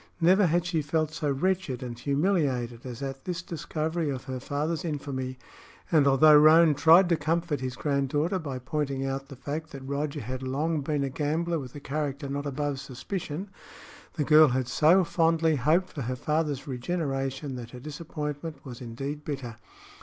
Never had she felt so wretched and humiliated as at this discovery of her father's infamy, and although Roane tried to comfort his granddaughter by pointing out the fact that Roger had long been a gambler with a character not above suspicion, the girl had so fondly hoped for her father's regeneration that her disappointment was indeed bitter.